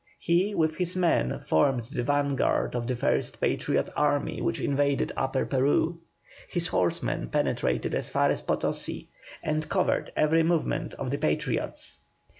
He with his men, formed the vanguard of the first Patriot army which invaded Upper Peru. His horsemen penetrated as far as Potosi, and covered every movement of the Patriots.